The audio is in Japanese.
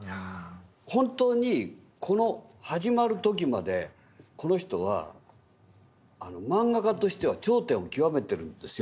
本当にこの始まる時までこの人はマンガ家としては頂点を極めてるんですよ。